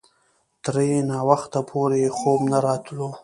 ترې ناوخته پورې خوب نه راتلو.